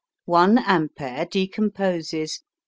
One ampere decomposes